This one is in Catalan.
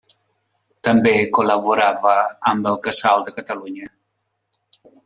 També col·laborava amb el Casal de Catalunya.